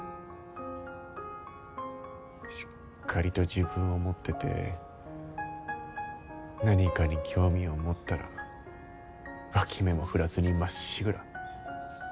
しっかりと自分を持ってて何かに興味を持ったら脇目も振らずにまっしぐら。